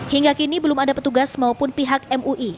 hingga kini belum ada petugas maupun pihak mui